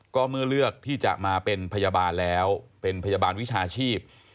ก็เมื่อเลือกที่จะมาเป็นพยาบาลแล้วเป็นพยาบาลวิชาชีพ